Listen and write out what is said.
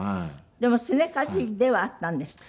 でもすねかじりではあったんですって？